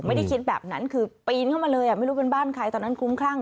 ไม่ได้คิดแบบนั้นคือปีนเข้ามาเลยไม่รู้เป็นบ้านใครตอนนั้นคุ้มครั่ง